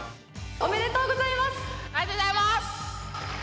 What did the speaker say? ありがとうございます。